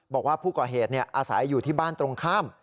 บอกว่าผู้ก่อเหตุอาศัยอยู่ที่บ้านตรงข้าม